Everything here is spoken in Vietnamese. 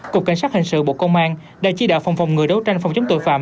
cục cảnh sát hình sự bộ công an đã chi đạo phòng phòng ngừa đấu tranh phòng chống tội phạm